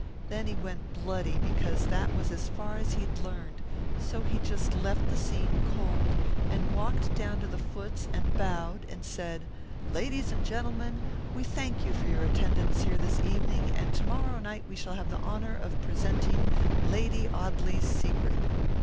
Then he went bloody because that was as far as he'd learned, so he just left the scene cold and walked down to the foots and bowed and said, 'Ladies and gentlemen, we thank you for your attendance here this evening and to morrow night we shall have the honour of presenting Lady Audley's Secret.